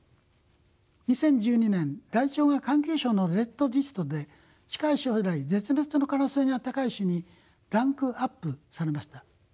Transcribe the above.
２０１２年ライチョウが環境省のレッドリストで近い将来絶滅の可能性が高い種にランクアップされました。